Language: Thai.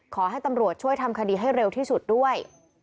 ขอให้ตำรวจช่วยทำคดีให้เร็วที่สุดด้วย